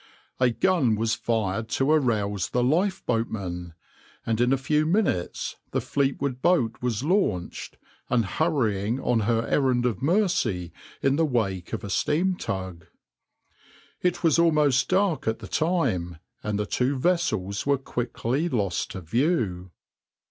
A gun was fired to arouse the lifeboatmen, and in a few minutes the Fleetwood boat was launched and hurrying on her errand of mercy in the wake of a steam tug. It was almost dark at the time, and the two vessels were quickly lost to view.